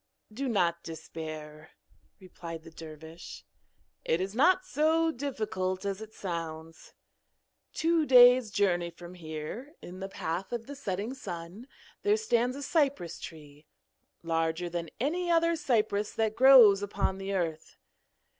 'Do not despair,' replied the dervish, 'it is not so difficult as it sounds. Two days' journey from here, in the path of the setting sun, there stands a cypress tree, larger than any other cypress that grows upon the earth.